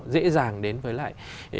dễ dàng đến với lại